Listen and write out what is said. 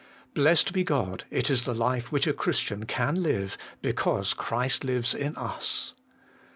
Blessed be God, it is the life which a Christian can Hue, because Christ Hues in us.